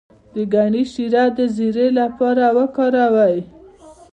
د ګني شیره د زیړي لپاره وکاروئ